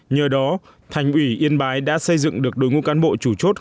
nhờ đó thành ủy yên bái đã xây dựng được đối ngũ cán bộ chủ chốt